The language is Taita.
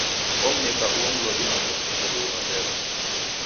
Omneka uo mlodi magome eri ulombelo.